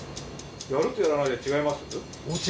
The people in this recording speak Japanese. やるとやらないで違います？